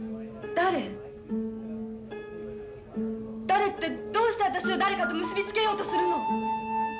誰ってどうして私を誰かと結び付けようとするの。